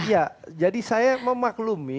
iya jadi saya memaklumi